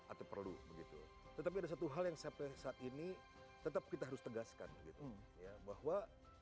atau perlu begitu tetapi ada satu hal yang sampai saat ini tetap kita harus tegaskan gitu ya bahwa